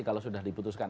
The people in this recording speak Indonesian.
kalau sudah diputuskan mk